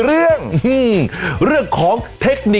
อืม